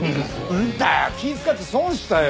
なんだよ気ぃ使って損したよ。